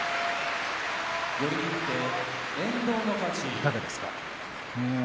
いかがですか。